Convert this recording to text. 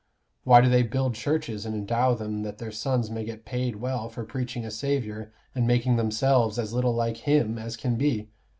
Why do they build churches and endow them that their sons may get paid well for preaching a Saviour, and making themselves as little like Him as can be?